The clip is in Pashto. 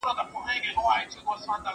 و حاکم ته سو ور وړاندي په عرضونو